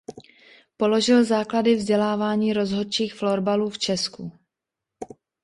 Položil základy vzdělávání rozhodčích florbalu v Česku.